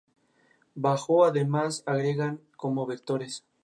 Esta casa ha puesto bastante emulsión en circulación más allá del cartucho clásico.